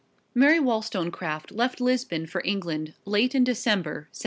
Mary Wollstonecraft left Lisbon for England late in December, 1785.